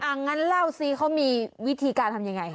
งั้นเล่าสิเขามีวิธีการทำยังไง